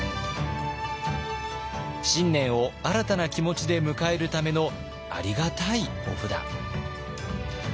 新年を新たな気持ちで迎えるためのありがたいお札。